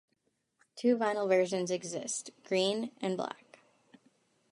Two vinyl versions exist - green and black.